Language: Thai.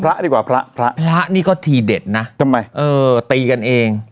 พระดีกว่าพระพระนี่ก็ทีเด็ดนะทำไมเออตีกันเอง